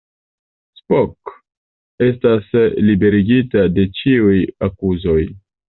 Spock estas liberigita de ĉiuj akuzoj.